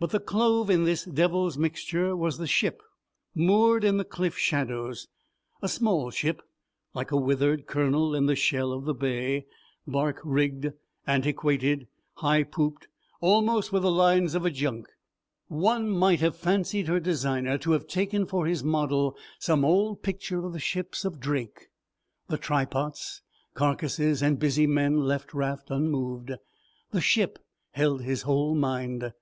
But the clove in this devil's mixture was the ship moored in the cliff shadows, a small ship like a withered kernel in the shell of the bay, barque rigged, antiquated, high pooped, almost with the lines of a junk. One might have fancied her designer to have taken for his model some old picture of the ships of Drake. The try pots, carcases and busy men left Raft unmoved. The ship held his whole mind.